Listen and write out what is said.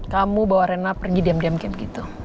kamu bawa rena pergi diam diam game gitu